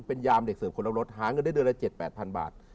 เป็นยามเด็กเสริมคนละรถหาเงินได้เดือนละ๗๘๐๐๐บาท